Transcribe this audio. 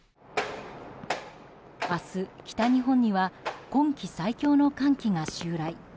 明日、北日本には今季最強の寒気が襲来。